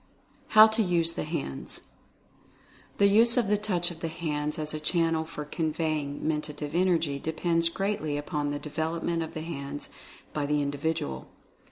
HOW TO USE THE HANDS. The use of the Touch of the hands as a channel for conveying Mentative Energy depends greatly upon the development of the hands by the individual.